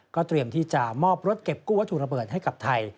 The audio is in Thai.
เตรียมที่จะมอบรถเก็บกู้วัตถุระเบิดให้กับไทย